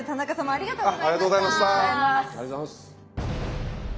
ありがとうございます。